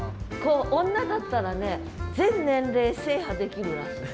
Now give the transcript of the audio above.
女だったらね全年齢制覇できるらしい。